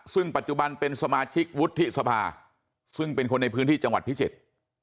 ซึ่งปัจจุบันเป็นสมาชิกวุฒิสภาซึ่งเป็นคนในพื้นที่จังหวัดพิจิตร